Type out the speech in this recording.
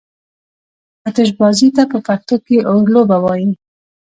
آتشبازي ته په پښتو کې اورلوبه وايي.